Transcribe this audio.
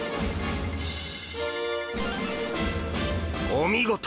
お見事！